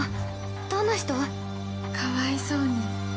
かわいそうに。